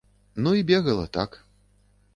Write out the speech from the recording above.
Ну і бегала, так.